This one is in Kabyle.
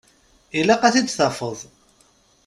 Ilaq ad t-id-tafeḍ.